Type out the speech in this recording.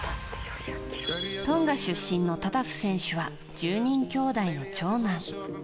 トンガ出身のタタフ選手は１０人きょうだいの長男。